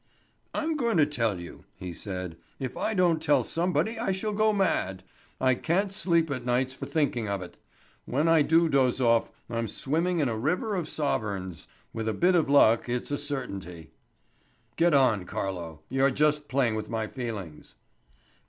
"I'm going to tell you," he said. "If I don't tell somebody I shall go mad. I can't sleep at nights for thinking of it. When I do doze off I'm swimming in a river of sovereigns. With a bit of luck, it's a certainty." "Get on, Carlo. You're just playing with my feelings."